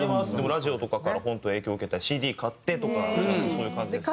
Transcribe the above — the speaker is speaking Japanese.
ラジオとかから本当影響受けたりＣＤ買ってとかそういう感じですね。